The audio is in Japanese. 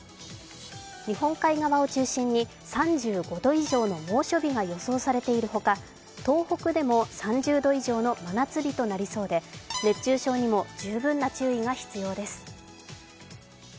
日本海側を中心に、３５度以上の猛暑日が予想されている他、東北でも３０度以上の真夏日となりそうで熱中症にも十分な注意が必要です。